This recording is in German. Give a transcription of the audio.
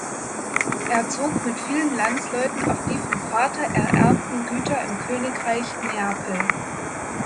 Er zog mit vielen Landsleuten auf die vom Vater ererbten Güter im Königreich Neapel.